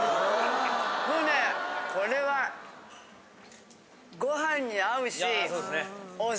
もうねこれはご飯に合うし。